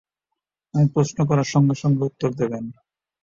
আমি প্রশ্ন করার সঙ্গে-সঙ্গে উত্তর দেবেন।